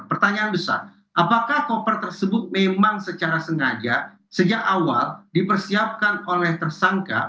pertanyaan besar apakah koper tersebut memang secara sengaja sejak awal dipersiapkan oleh tersangka